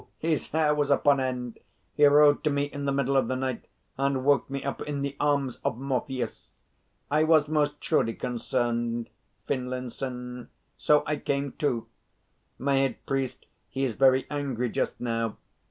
His hair was upon end. He rode to me in the middle of the night and woke me up in the arms of Morpheus. I was most truly concerned, Finlinson, so I came too. My head priest he is very angry just now.